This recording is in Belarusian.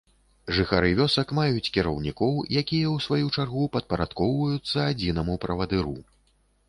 Жыхары вёсак маюць кіраўнікоў, якія ў сваю чаргу падпарадкоўваюцца адзінаму правадыру.